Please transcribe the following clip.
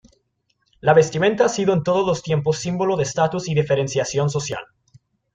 La vestimenta ha sido en todos los tiempos símbolo de estatus y diferenciación social.